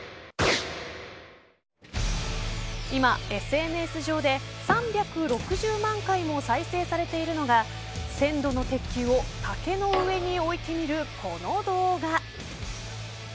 今、ＳＮＳ上で３６０万回も再生されているのが１０００度の鉄球を竹の上に置いてみるこの動画。